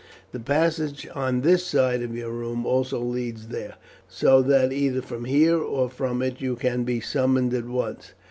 The passage on this side of your room also leads there, so that either from here or from it you can be summoned at once.